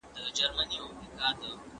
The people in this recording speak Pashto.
دا یوازې سوداګري نه ده.